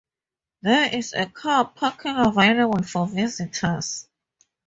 There is car parking available for visitors.